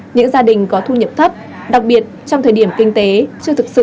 những gia đình có thu nhập thấp đặc biệt trong thời điểm kinh tế chưa thực sự